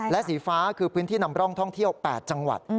และสีฟ้าคือพื้นที่นำร่องท่องเที่ยว๘จังหวัด